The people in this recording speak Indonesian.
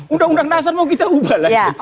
undang undang dasar mau kita ubah lagi